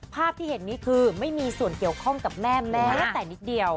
ภาพที่เห็นนี้คือไม่มีส่วนเกี่ยวข้องกับแม่แม้แต่นิดเดียว